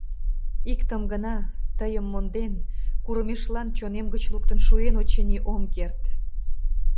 Иктым гына — тыйым монден, курымешлан чонем гыч луктын шуэн, очыни, ом керт.